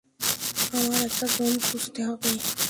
আমার একটা রুম খুঁজতে হবে।